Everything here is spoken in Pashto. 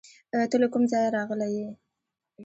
ته له کوم ځایه راغلی یې؟